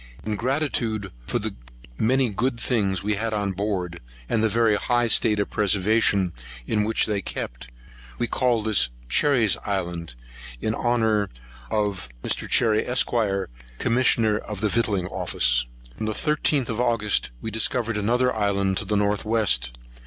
In gratitude for the many good things we had on board, and the very high state of preservation in which they kept, we called this Cherry's Island, in honour of Cherry, Esq; Commissioner of the Victualling office.[140 1] On the 13th of August, we discovered another island to the north west.